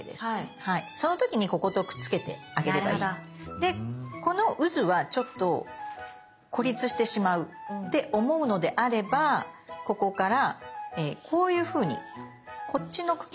でこのうずはちょっと孤立してしまうって思うのであればここからこういうふうにこっちの茎に向かって葉っぱを。